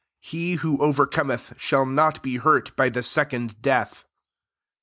He who over cometh shall not be hurt by the second death.